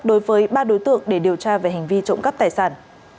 đối với ba đối tượng để điều tra về hành vi trộm cắp tài sản